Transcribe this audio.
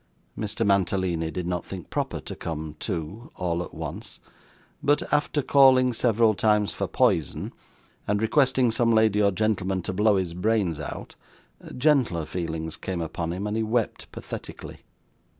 Mr. Mantalini did not think proper to come to, all at once; but, after calling several times for poison, and requesting some lady or gentleman to blow his brains out, gentler feelings came upon him, and he wept pathetically.